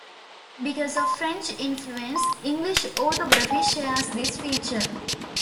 Because of French influence, English orthography shares this feature.